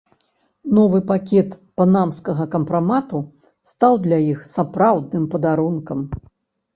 Новы пакет панамскага кампрамату стаў для іх сапраўдным падарункам.